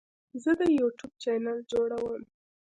زه د یوټیوب چینل جوړوم.